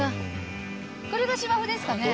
これが芝生ですかね？